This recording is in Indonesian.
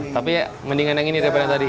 tapi ya mendingan yang ini daripada tadi